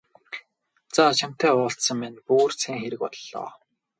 За чамтай уулзсан маань бүр сайн хэрэг боллоо.